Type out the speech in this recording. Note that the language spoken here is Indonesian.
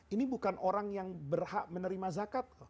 ini bukan orang yang berhak menerima zakat